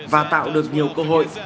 và tạo được nhiều cơ hội